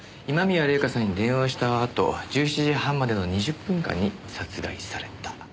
今宮礼夏さんに電話したあと１７時半までの２０分間に殺害された。